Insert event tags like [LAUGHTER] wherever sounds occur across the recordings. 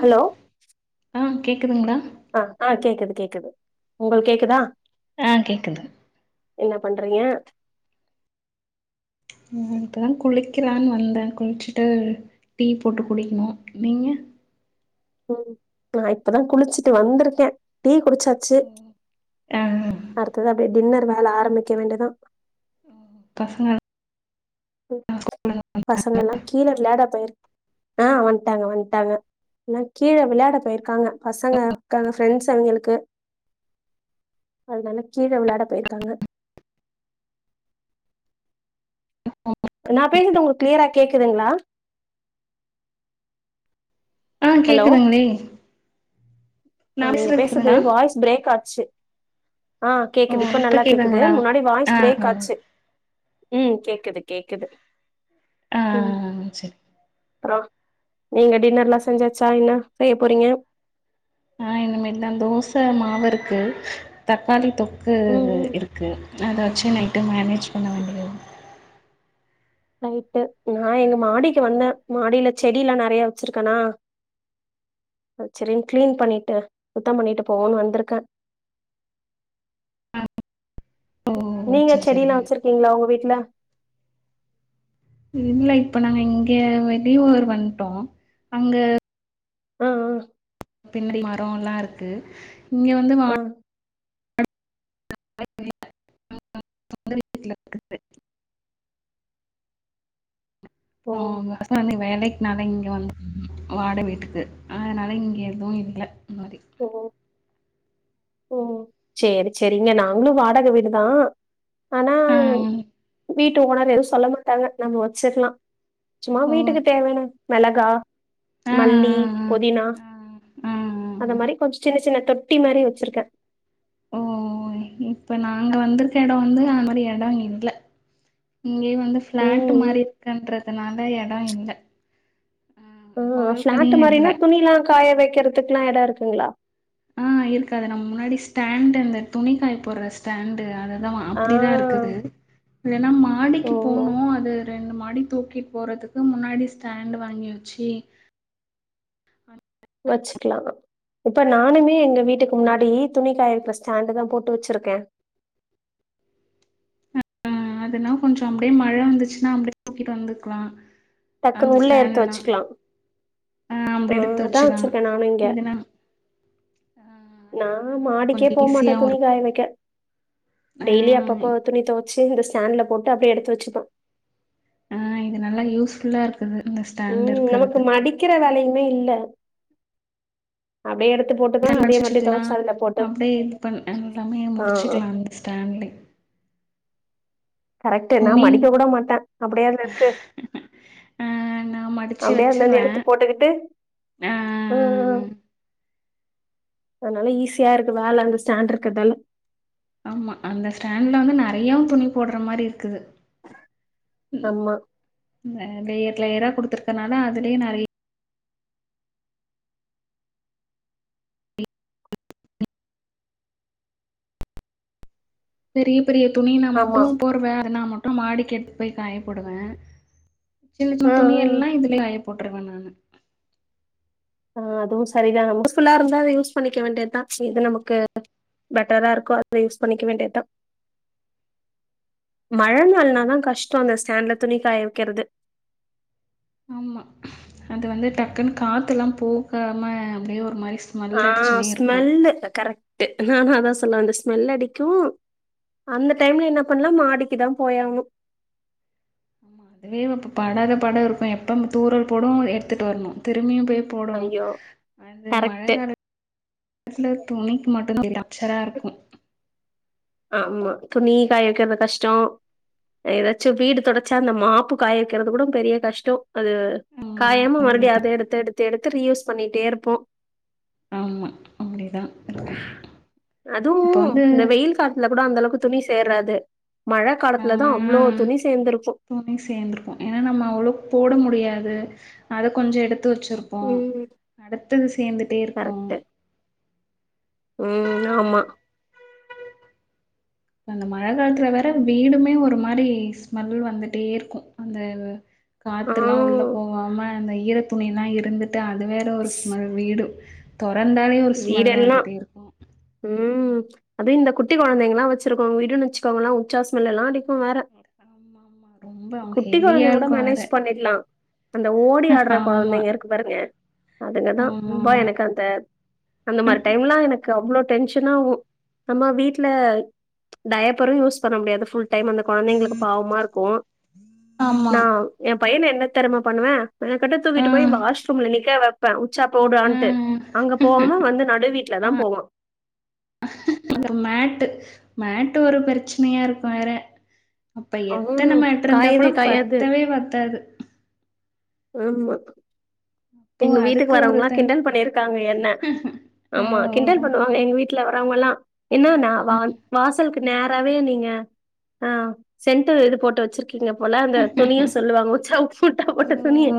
Hello ஆ கேக்குதுங்களா ஆ ஆ கேக்குது கேக்குது உங்குளுக்கு கேக்குதா ஆ கேக்குது என்ன பண்றீங்க இப்பதா குளிக்களான்னு வந்தே குளிச்சுட்டு டீ போட்டு குடிக்கணும் நீங்க ம் நா இப்பதா குளிச்சிட்டு வந்திருக்கே டீ குடிச்சாச்சு ஆ அடுத்து அப்டியே டின்னர் வேல ஆரம்பிக்க வேண்டிதா பச்ங்க பசங்கனா கீழே விளையாட போயிரு ஆ வந்துட்டாங்க வந்துட்டாங்க ஆ கீழே விளையாட போயிருக்காங்க பசங்க இருக்காங்க ஃபிரண்ட்ஸ் அவங்களுக்கு அதனால கீழே விளையாட போயிருக்காங்க நா பேசறது உங்ளுக்கு கிளியரா கேக்துங்களா ஆ ஹலோ கேக்குதுங்களே நா அ நீங்க பேசுறது பேசற்து கேக்குதுங்களா வாய்ஸ் பிரேக் ஆச்சி ஆ ஓ கேக்குது இப்ப நல்லா கேக்குது கேக்குதுங்களா முன்னாடி வாய்ஸ் ஆ பிரேக் ஆ ஆச்சி ஆ கேக்குது கேக்குது ஆ ம் சரி அப்றம் நீங்க டின்னர்லா செஞ்சாச்சா என்ன செய்ய போறீங்க ஆ இனிமேட்தா தோசை மாவு இருக்கு தக்காளி தொக்கு ம் ம் இருக்கு அதை வச்சி நைட்டு மேனேஜ் பண்ண ச [UNINTELLIGIBLE] வேண்டியது ரைட்டு நா எங்க மாடிக்கு வந்தே மாடியில செடி எல்லா நெறையா வச்சிருக்கனா சரின் கிளீன் பண்ணிட்டு சுத்தம் பண்ணிட்டு போவோன்னு வந்துருக்கே ஓ நீங்க சரி சரி செடிலா வெச்சிருகீங்களா உங்க வீட்ல இல்ல இப்ப நாங்க இங்க வெளியூர் வந்டோ அங்க ஆ ஆ பின்ன மரோ எல்லா இருக்கு இங்க வந்து வா ஆ ஆ [INAUDIBLE] சொந்த வீட்ல இருக்குது ஓ ஆமா சாமி வேலைக் னால இங்க வந்து வாடக வீட்டுக்கு அதனால இங்கே எதுவு இல்ல இந்த மாரி போ ம் சேரி சேரிங்க நாங்களு வாடகைவீடுதா ஆனா ஆ வீட்டு ஓனர் எதுவு சொல்ல மாட்டாங்க நம்ம வெச்சிகலா சும்மா ஓ வீட்டுக்கு தேவையான மெளகா ஆ ஆ மல்லி புதினா ஆ ஆ ஆ அத ஆ மாரி கொஞ்ச சின்ன சின்ன தொட் தொட்டி மாரி வெச்சிருக்கே ஓ ஓ இப்ப நாங்க வந்துருக்க எடொ வந்து அது மாரி எடொ இல்ல இங்கேயே வந்து ம் ஃப்ளாட் ம் மாரி இருகன்றதுனால எட இல்ல ஆ ஓ பிளாட் பால்கனியு மாரினா இல்ல துணி க்ஷலா காய வைக்கிறதுக்குகலா எடொ இருக்குங்களா ஆ இருக்காது நம்ம முன்னாடி ஸ்டாண்டு அந்த துணி காய போடுற ஸ்டாண்டு அத தா ஆ அப்டிதா இருக்குது இல்லனா ஓ மாடிக்கு போனோ அது ரெண்டு மாடி தூக்கிட் போறதுக்கு முன்னாடி ஸ்டாண்டு் வாங்கி வெச்சி வெச்சுக்குலா இப்ப நானுமே எங்க வீட்டுக்கு முன்னாடி துணி காய வைக்குற ஸ்டாண்டு தா போட்டு வெச்சுருக்கே அ அதுனா கொஞ்சொ அப்டியே மழ வந்துச்சுன்னா அப்டியே தூக்கிட்டு வந்துக்குலா டக்குனு உள்ள எடுத்து வச்சுக்கலா ஆ அப்டி எடுத்து அதா வச்சுக்கலா வச்சிருகே நானு இங்க இதுனா ஆ நா அதுதானா மாடிக்கே கொஞ்சோ போ மாட்டே ஈஸியாவு துணி இருக்கு காய வைக்க ஆ டெய்லி அப்பப்ப துணி துவச்சு இந்த ஸ்டாண்டுல போட்டு அப்டியே எடுத்து வெச்சுப்ப ஆ இது நல்லா யூஸ்ஃபுல்லா இருக் ம் இந்த ஸ்டா ம் நமக்கு மடிக்கிற வேலையுமே இல்ல அப்டியே எடு மடிச்சிட்டுகுலா அப்டியே இது பண் எல்லாமே ஆ ஆ முடிச்சுக்குலா அந்த ஸ்டாண்ட்லயே கரெக்ட்டு நா துணி மடிக்க கூட மாட்டே அப்டியே அத எடுத்து ஆ நா மடிச்சு அப்டியே அதுல இருந்து வச்சிருவே எடுத்து போட்டுக்கிட்டு ஆ ம் அதனால ஈஸியா இருக்கு வேல அந்த ஸ்டாண்ட் இருக்குறதால ஆமா அந்த ஸ்டாண்ட்ல வந்து நெறையாவு துணி போடுற மாரி இருக்குது ம் ஆமா லேயர் லேயரா குடுத்துருக்குறனால அதுலயே நெறை பெரிய பெரிய துணினா ஆமா மட்டு போர்வ அதுனா மட்டு மாடிக்கு எடுத்து போய் காயப்போடுவே சின்ன ஆ சின்ன துணி எல்லா இதுலேயே காயப்போடுருவே நானு ஆ அதுவு சரிதா நம்ம யூஸ் ஃபுல்லா இருந்தா அத யூஸ் பண்ணிக்க வேண்டியதுதா இது நமக்கு பெட்டரா இருக்கு அத யூஸ் பண்ணிக்க வேண்டியதா மழ நாள்னா தா கஷ்டோ அந்த ஸ்டாண்ட்ல துணி காய வைக்கிறது ஆமா அது வந்து டக்குன்னு காத்துல்லா போகாம அப்டியே ஒரு மாரி ஆ ஸ்மெல் அடிச்சுனே இருக்கு ஸ்மெல்லு கரெக்ட்டு நானு அதா சொல்ல வந்தே ஸ்மெல் அடிக்கு அந்த டைம்ல என்ன பண்ணலா மாடிக்கு தா போயானு ஆமா அதுவே இப்ப படாத பாட இருக்கு எப்போ நம்ப தூரல் போடு எடுத்துகட்டு வரணு திரும்பியு போய் போடணு ஐயோ அது மழ கரெக்ட் கால துல துணிக்கு மட்டுதா அச்சரா இருக்கு ஆமா துணி காய் வைக்கிறது கஷ்டோ ஏதாச்சு வீடு தொடச்சா அந்த மாப்பு காய வைக்கிறது கூட பெரிய கஷ்டோ அது ஆமா ஆமா காயாம மறுவுடியு அதேதா அதை எடுத்து எடுத்து எடுத்து ரீயூஸ் பண்ணிட்டே இருப்போ ஆமா அப்டிதா இருக்கு அதுவு அப்ப வந்து இந்த வெயில் ல கூட அந்த அளவுக்கு துணி சேராது மழை ஆ காலத்துல தா அவ்ளோ துணி சேந்திருக்கு துணி சேந்திருக்கு ஏனா நம்ம அவ்ளோக் போட முடியாது அத கொஞ்சொ எடுத்து வச்சுரு போ ம் அடுத்தது சேந்துட்டே இருக்கு கரெக்ட் ம் ஆமா அந்த மழ காலத்துல வேற வீடுமே ஒரு மாரி ஸ்மெல் வந்துட்டே இருக்கு அந்த ஆ காத்துல்லா உள்ள போகாம அந்த ஈர துணி எல்லா இருந்து டு அது வேற ஒரு ஸ்மெல் வீடு தொறந்தாலே ஒரு ஸ்மெல் வீடெல்லா வந்துட்டே இருக்கு ம் அது இந்த குட்டி கொழந்தைங்கல்லா வச்சிருக்கோங்க வீடு வச்சுக்கோங்களே உச்சாஸ்மெல்லா அடி கு வேற ஆமா ஆமா ரொம்ப குட்டி ஹெவியா கொழந்தை கூட இருக்கு வேற மேனேஜ் பண்ணிக்லா அந்த ஓடி ஆடுற ஆமா கொழந்தைங்க இருக்கு பாருங்க அதுங்கதா ஆமா ம்பா ஆமா எனக்கு அந்த அந்த மாரி டைம்லா எனக்கு அவ்ளோ டென்ஷனாவு நம்ம வீட்ல டயப்பரு யூஸ் பண்ண முடியாது ஃபுல் டைம் அந்த கொழந்தைங்களுக்கு பாவமா இருக்கு ஆமா நா எ பையன என்ன தெறிமா பண்ணுவ மெனக்கிட்டு ஆ தூக்கிட்டு போய் வாஷ்ரூம்ல நிக்க வெப்பே உச்சா ஆ போடான்ட்டு அங்க போவாம வந்து நடு வீட்ல தா போவா அந்த மேட் மேட் ஒரு பிரச்சனையா இருக்கு வேற அப்ப எத்தன ம் மேட் இருந்தா காயவே கூட காயாது பத்தவே பத்தாது ஆமா அப்போ எங்க வீட்டுக்கு அதுக்கு ஒரு வரவங்களா தனி கிண்டல் பண்ணிருக்காங்க என்ன ஆமா கிண்டல் ஓ! பண்ணுவா க எங்க வீட்ல வர்றவங்கெல்லா என்ன நா வா வாசலுக்கு நேராவே நீங்க ஆ சென்ட் இது போட்டு வச்சிருக்கி கீங்க போல அந்த துணிய சொல்லுவாங்க உச்சா போட்டா போட்ட துணிய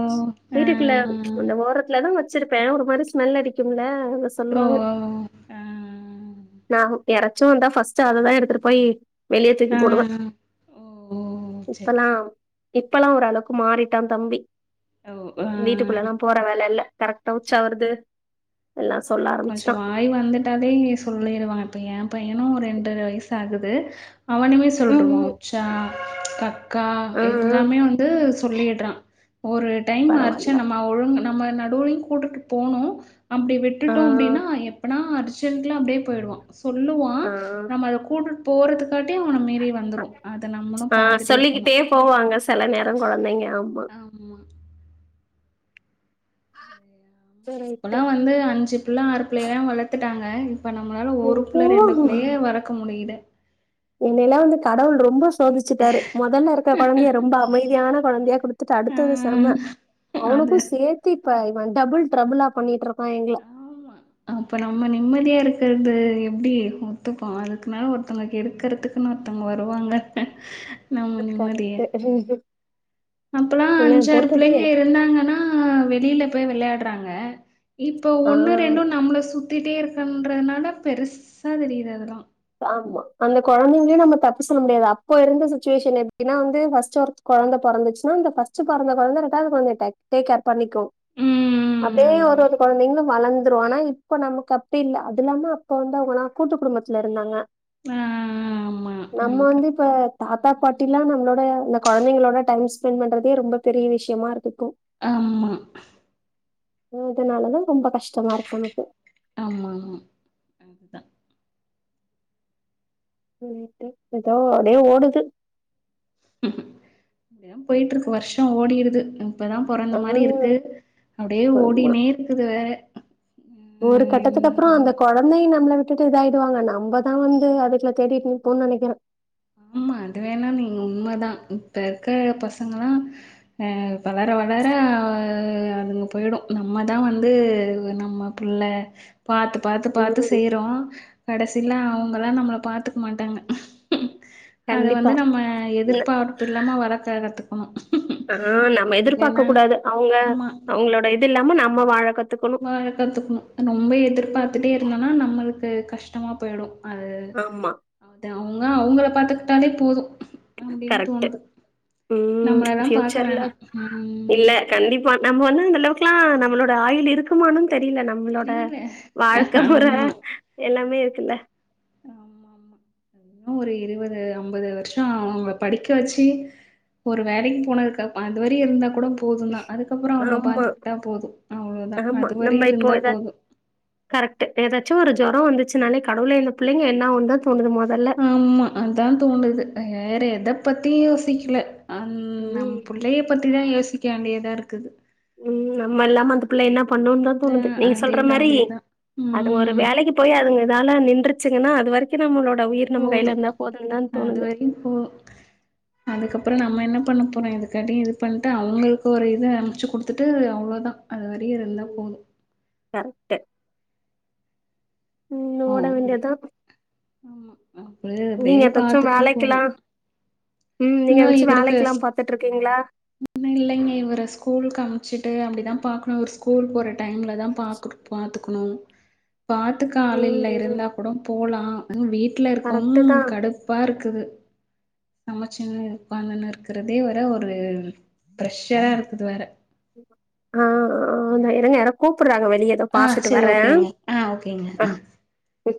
வீட்டுக்குள்ள அந்த ஓரத்துல நா வச்சிருப்பே ஒரு மாரி ஸ்மெல் அடிக்கும்ல அத சொல்லுவாங்க நா யாராச்சு வந்தா ஃபஸ்ட் அததா எடுத்துட்டு போய் வெளியே தூக்கி போடுவே சரி, இப்பல்லா சரி. இப்பல்லா ஓரளவுக்கு மாறிட்டா தம்பி ஓ! வீட்டுக்குள்ளல்லா போற வேல இல்ல கரெக்ட்டா உச்சா ஆ. வருது எல்லா சொல்ல ஆரம்பிச்சுட்டா ஐ வந்துட்டாலே சொல்லிருவாங்க இப்ப ஏ பையனு ஒரு ரெண்டர வயசு ஆகுது அவனுமே ம் சொல்ருவா ம் உச்சா கக்கா ஆ ஆ எல்லாமே வந்து சொல்லிட்றா ஒரு டைம் அர்ச்ச பரவால்ல நம்ம ஒழுங் நம்ம நடுவுலையு கூட்டுட்டு போனு அப்டி ஆ விட்டுட்டோம் அப்டினா எப்பனா அர்ஜென்ட்ல அப்டியே போயிடுவா சொல்லுவா ஆ நம்ம அத கூட்டுட்டு போறதுக்காட்டி அவன மீறி வந்துரு அத நம்மளு ஆ பாத்துட்டே இருக்கணு சொல்லிக்கிட்டே போவாங்க செல நேர கொழந்தைங்க ஆமா ஆமா அப்பல்லா ரைட்டு வந்து அஞ்சு பிள்ள ஆறு பிள்ளைய எல்லா வளத்துட்டாங்க இப்போ நம்மளால ஒரு ம் பிள்ள ரெண்டு போதுமா பிள்ளயே வளக்க முடியல என்னயிலா வந்து கடவுள் ரொம்ப சோதிச்சுட்டாரு முதல்ல இருக்கற கொழந்தய ரொம்ப அமைதியான கொழந்தயா குடுத் துட்டு ஆ அடுத்தது செம்ம அது அவனுக்கு சேத்து இப்ப அவ டபுள் ட்ரபுளா பண்ணிட்டுருக்கா எங்கள ஆமா அப்ப நம்ம நிம்மதியா இருக்கறது எப்டி ஒத்துப்போ அதுக்குனாலு ஒருத்தங்க கெடுக்கறதுக் இன்னொர்தங்க வருவாங்க நம்ம நிம்மதிய [UNINTELLIGIBLE] அப்பல்லா இவன் அஞ்சாறு போட்டுட்டு பிள்ளைங்க இருந்தாங்கனா வெளியில போய் விளையாட்றாங்க இப்ப ஆ ஒன்னு ரெண்டு நம்மள சுத்திட்டே இருக்கறதுன்தால பெருசா தெரிது அதெல்லா ஆமா அந்த கொழந்தைங்களையு நம்ம தப்பு சொல்ல முடியாது அப்போ இருந்த சிச்சுவேஷன் எப்டினா வந்து ஃபர்ஸ்ட் கொழந்த பொறந்துச்சுனா அந்த ஃபர்ஸ்ட் பொறந்த கொழந்த ரெண்டாவது கொழந்தய டேக் கேர் பண்ணிக்கு ம் அப்டியே ஆமா ஒரு ஒரு குழந்தைங்களு வளந்துரு ஆனா இப்ப நமக்கு அப்டி இல்ல அது இல்லாம இப்போ வந்தவங்கலா கூட்டு குடும்பத்துல இருந்தாங்க ஆ ஆமா நம்ம நீங்க வந்து இப்ப கரெக்ட்டு தா தாத்தா பாட்டில்லா நம்மளோட இந்த குழந்தைங்களோட டை டைம் ஸ்பெண்ட் பண்றதே ரொம்ப பெரிய விஷயமா இருக்கும் ஆமா இதனாலதா ரொம்ப கஷ்டமா இருக்கு உனக்கு ஆமா அதுதா எதோ அப்டே ஓடுது போயிட்ருக்கு வருஷ ஓடிருது இப்பதா பொறந்த ஆ மாரி இருக்கு அப்டியே ஆமா ஓடினே இருக்குது வேற ஒரு ம் கட்டத்துக்கு அப்புறோ அந்த என்னதுதானே குழந்தையு நம்மள விட்டுட்டு இதா ஆயிடுவாங்க நம்ம தா வந்து அதுகல தேடிட்டு நிப்போ நெனைக்கிற ஆமா அது வேணா நீங்க உண்மதா இப்ப இருக்க பசங்கலா வளர வளர அதுங்க போய்டு நம்ம தா வந்து நம்ம புள்ள பாத்து பாத்து பாத்து ம் செய்றோ கடைசில அவங்கல்லா நம்மள பாத்துக்க மாட்டாங்க அது கண்டிப்பா வந்து நம்ம எதிர்ப்பார்ப்பு இல்லாம வளக்க கத்துக்கணு ஆ நம்ம எதிர்பாக்க இல்லன்னா கூடாது அவங்க ஆமா அவங்களோட இது இல்லாம நம்ம வாழக்கத்துக்கனு வாழ கத்துகணு ரொம்ப ம் எதிர்பாத்துட்டே இருந்தோனா நம்மளுக்கு கஷ்டமா போய்டு அது ஆமா அது அவங்க அவங்கள பாத்துக்கிட்டாலே போது அப்டின்னு கரெக்ட் தோணுது ம் நம்மளலா பாக்க ஃபியூச்சர்ல வேணா இல்ல கண்டிப்பா நம்ம வந்து அந்த அளவுக்குலா நம்மளோட ஆயில் இருக் குமானு தெரில நம்மளோட தெரியல. வாழ்க்க முற ஆமா. எல்லாமே இருக்குல்ல ஆ ஒரு இருபது ஐம்பது வருஷோ ஆவுங்க படிக்க வச்சு ஒரு வேலைக்கு போனதுக்கு அ அது வரையு இருந்தா கூட போதுதா அதுக்கப்புறோ அவங்க ஆமா, பாத்துக்கிட்டா போது அவ்வளோ தா ஆமா. நம்ம அதுவரையு இப்போ இருந்தா எதா போது கரெக்ட் ஏதாச்சு ஒரு ஜொரோ வந்துச்சுன்னாலே கடவுளே இந்த பிள்ளைங்க என்ன உந்த தோணுது மொதல்ல ஆமா அதா தோணுது வேற எத பத்தியு யோசிக்கல அந் ம், பிள்ளைய பத்திதா யோசிக்க வேண்டியதா இருக்குது ம் நம்ம இல்லாம அந்த பிள்ள என்ன பண்ணுன்னனு தா அ தோணுது நீங்க சொல்ற அதேதான், மாரி அதேதான். அதுங்க ஒரு ம். வேலைக்கு போய் அதுங்க இதால நின்றுச்சுங்கன்னா அது வரைக்கு நம்மளோட உயிர் நம்ம கையில இருந்தா போதுன்னு தா தோணுது ம் அதுக்கப்புறோ நம்ம என்ன பண்ண போறோ இதுக்காட்டு இது பண்டு அவுங்களுக்கு ஒரு இத அனுச்சி குடுத்துட்டு அவ்ளோதா அது வர இருந்தா ம் போது கரெக்ட் ம் ஓட ஓ வேண்டியது தான். ஆமா அப்டே அப்டே நீங்க ஏதாச்சும் பாத்துட்டே போன வேலைக்கெல்லாம் ம் நீங்க வச்சு வேலைக்கெல்லா பாத்துட்டு இருக்கீங்களா இன்னு இல்லைங்க இவர ஸ்கூலுக்கு அமிச்சிட்டு அப்டிதா பாக்கணு ஒரு ஸ்கூல் போற டைம்லதா பாத் பாத்துக்குணு பாத்துக்க ம், ஆளில்ல ம். இருந்தா கூட போலா அது வீட்ல இருக்கவு கரெக்ட்டு தான் கடுப்பா இருக்குது சின்னு உக்காந்துனு இருக்கிறதே வேற ஒரு ப்ரஷரா இருக்குது வேற ஆ ஆ தா இருங்க யாரோ கூப்பிடுறாங்க வெளிய எதோ ஆ செரி ஓகேங்க ஆ ஓகேங்க ஆ ம்